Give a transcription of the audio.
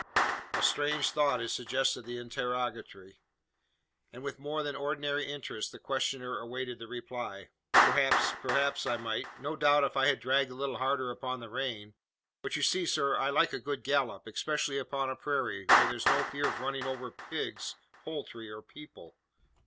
A strange thought had suggested the interrogatory; and with more than ordinary interest the questioner awaited the reply. "Perhaps perhaps I might; no doubt, if I had dragged a little harder upon the rein. But you see, sir, I like a good gallop especially upon a prairie, where there's no fear of running over pigs, poultry, or people."